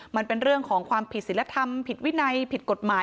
มันเป็นเรื่องของความผิดศิลธรรมผิดวินัยผิดกฎหมาย